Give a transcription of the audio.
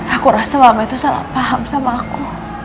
aku rasa mbak kiki tuh salah paham sama aku